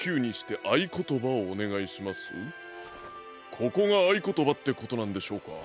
ここがあいことばってことなんでしょうか？